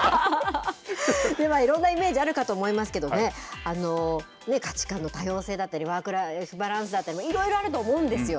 では、いろんなイメージあると思いますけど、価値観の多様性だったり、ワークライフバランスだったり、いろいろあると思うんですよ。